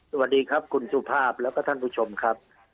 สวัสดีครับคุณสุภาพแล้วก็ท่านผู้ชมครับ